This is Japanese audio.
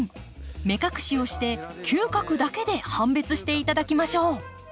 目隠しをして嗅覚だけで判別していただきましょう！